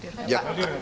hadir gak pak